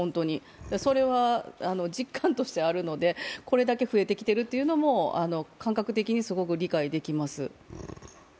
それは実感としてあるので、これだけ増えてきているというのも感覚的にすごく理解できます。